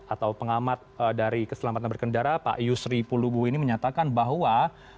atau pengamat dari keselamatan berkendara pak yusri pulubu ini menyatakan bahwa